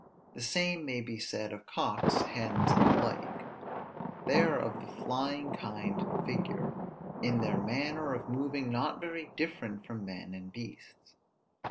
The same may be said of cocks, hens, and the like; they are of the flying kind in figure; in their manner of moving not very different from men and beasts.